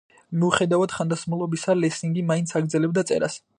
მიუხედავად ხანდაზმულობისა, ლესინგი მაინც აგრძელებდა წერას.